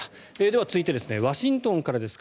では、続いてワシントンからです。